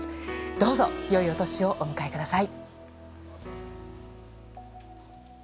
どうぞ良いお年をお迎えください。